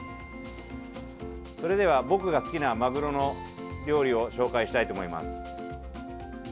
それでは僕が好きな、マグロの料理を紹介したいと思います。